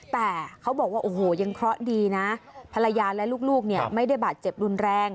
แต่เขาบอกว่าโอ้โหยังเคราะห์ดีนะภรรยาและลูกเนี่ยไม่ได้บาดเจ็บรุนแรง